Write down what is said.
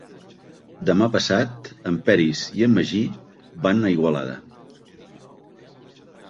Demà passat en Peris i en Magí van a Igualada.